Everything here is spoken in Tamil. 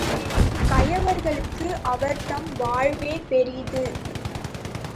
கயவர்களுக்கு அவர்தம் வாழ்வே பெரிது.